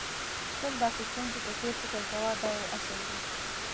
تل د اخيستونکي په څېر فکر کوه دا یو اصل دی.